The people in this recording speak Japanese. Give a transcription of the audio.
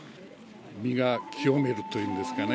身が清められるというんですかね、